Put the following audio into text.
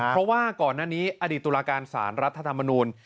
เพราะว่าก่อนหน้านี้อดีตตุลาการสารรัฐธรรมนูล